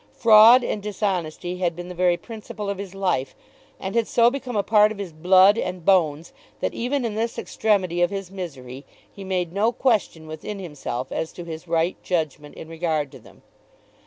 Fraud and dishonesty had been the very principle of his life, and had so become a part of his blood and bones that even in this extremity of his misery he made no question within himself as to his right judgment in regard to them.